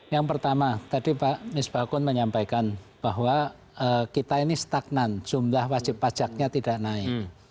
yang pertama tadi pak misbakun menyampaikan bahwa kita ini stagnan jumlah wajib pajaknya tidak naik